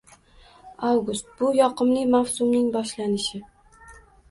Avgust — bu yoqimli mavsumning boshlanishi